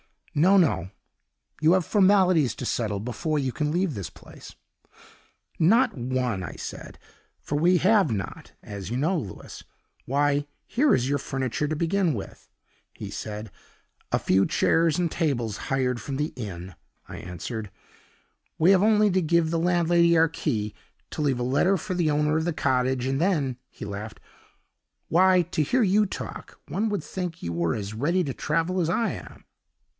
No, no, you have formalities to settle before you can leave this place.' 'Not one,' I said for we have not, as you know, Louis? 'Why, here is your furniture to begin with,' he said. 'A few chairs and tables hired from the inn,' I answered; 'we have only to give the landlady our key, to leave a letter for the owner of the cottage, and then ' He laughed. 'Why, to hear you talk, one would think you were as ready to travel as I am!